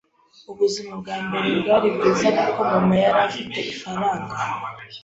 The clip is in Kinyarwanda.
Ubuzima bwa mbere bwari bwiza kuko mama yari afite ifaranga.